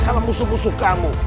salah musuh musuh kamu